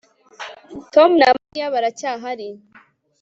Tom na Mariya baracyahari